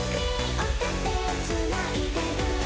おててつないでる」